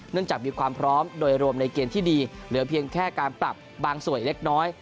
จากมีความพร้อมโดยรวมในเกณฑ์ที่ดีเหลือเพียงแค่การปรับบางส่วนเล็กน้อย